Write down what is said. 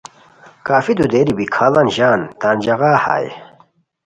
کافی دودیری بی کھاڑان ژان تان ژاغا ہائے